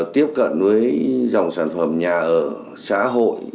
tiếp cận với dòng sản phẩm nhà ở xã hội